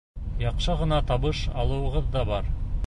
Яҡшы ғына табыш алыуығыҙ ҙа бар.